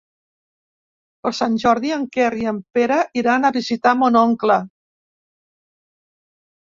Per Sant Jordi en Quer i en Pere iran a visitar mon oncle.